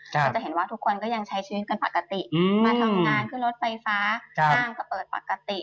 ก็จะเห็นว่าทุกคนก็ยังใช้ชีวิตกันปกติมาทำงานขึ้นรถไฟฟ้าห้างก็เปิดปกติ